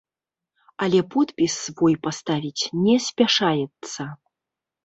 Але подпіс свой паставіць не спяшаецца.